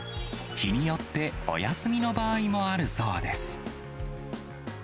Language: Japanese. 日によってお休みの場合もあるそうです。